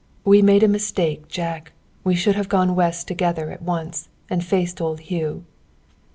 We made a mistake, Jack. We should have gone West together at once, and faced old Hugh."